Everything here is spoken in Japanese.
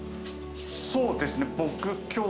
そうですね僕。